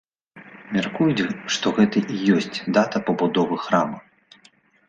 Мяркуюць, што гэта і ёсць дата пабудовы храма.